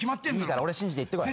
俺信じて行ってこい。